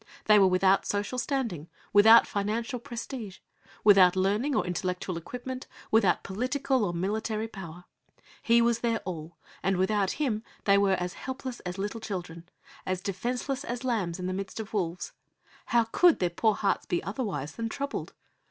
They were without social standing, without financial prestige, without learning or intellectual equipment, without political or military power. He was their All, and without Him they were as helpless as little children, as defenceless as lambs in the midst of wolves. How could their poor hearts be otherwise than troubled?